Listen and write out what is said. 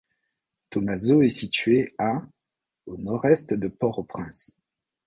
Thomazeau est située à au nord-est de Port-au-Prince.